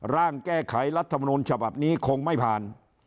ร่างแก้ไขรัฐมนูลฉบับนี้คงไม่ผ่าน